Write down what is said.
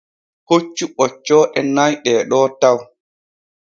Hoccu ɓoccooɗe nay ɗeeɗo taw.